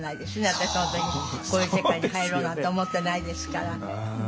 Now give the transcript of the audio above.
私その時こういう世界に入ろうなんて思ってないですから。